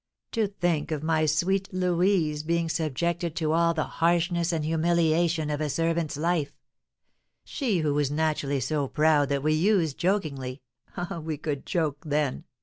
To think of my sweet Louise being subjected to all the harshness and humiliation of a servant's life, she who was naturally so proud that we used jokingly ah, we could joke then!